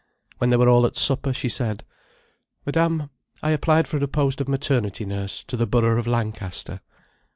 When they were all at supper, she said: "Madame, I applied for a post of maternity nurse, to the Borough of Lancaster."